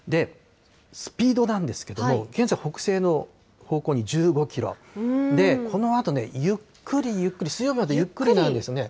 スピードなんですけども、現在、北西の方向に１５キロ、このあとね、ゆっくりゆっくり、水曜日までゆっくりなんですよね。